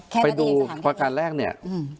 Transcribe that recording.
แค่พ่อดูทางสักการแรกเนี่ย